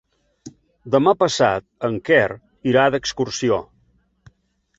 Demà passat en Quer irà d'excursió.